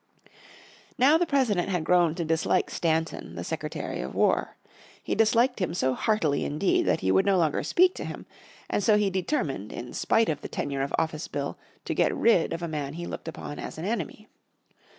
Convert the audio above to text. Now the President has grown to dislike Edwin Stanton, the Secretary of War. he disliked him so heartily indeed that he would no longer speak to him, and so he determined in spite of the Tenure of Office Bill to get rid of a man he looked upon as an enemy.